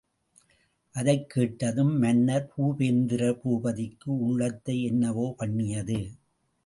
அதைக் கேட்டதும், மன்னர் பூபேந்திர பூபதிக்கு உள்ளத்தை என்னவோ பண்ணியது.